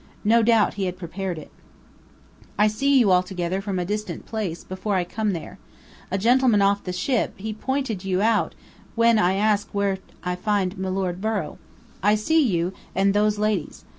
No doubt he had prepared it. "I see you all together, from a distant place, before I come there. A gentleman off the ship, he pointed you out when I ask where I find Milord Borrow. I see you, and those ladies.